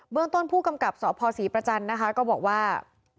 เรื่องต้นผู้กำกับสพศรีประจันทร์นะคะก็บอกว่า